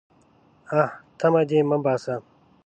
_اه! تمه دې مه باسه.